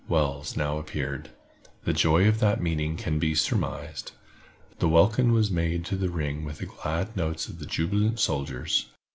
Wells now appeared. The joy of that meeting can be surmised. The welkin was made to ring with the glad notes of the jubilant soldiers.